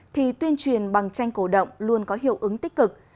thì tuyên truyền bằng tranh cổ động luôn có hiệu ứng tích cực